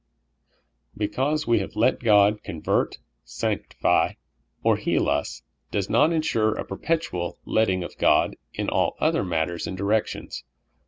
Because we have '' let God '' convert, or sanctify, or heal us, does not insure a perpetual letting of God in all other matters and directions.